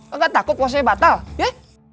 enggak takut puasanya batal ya